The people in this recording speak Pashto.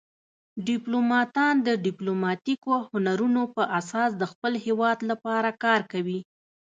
ډیپلوماتان د ډیپلوماتیکو هنرونو په اساس د خپل هیواد لپاره کار کوي